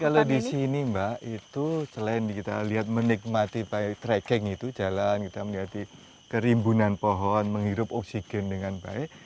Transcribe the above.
kalau di sini mbak itu selain kita lihat menikmati trekking itu jalan kita melihat kerimbunan pohon menghirup oksigen dengan baik